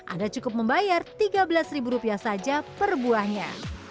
anda cukup membayar tiga belas rupiah saja per buahnya